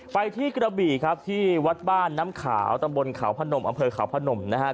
ไปที่กระบี่ครับที่วัดบ้านน้ำขาวตำบลขาวพนมอำเภอขาวพนมนะครับ